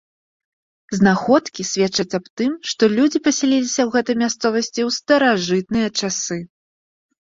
Знаходкі сведчаць аб тым, што людзі пасяліліся ў гэтай мясцовасці ў старажытныя часы.